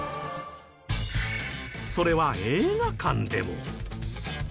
それは映画館でも。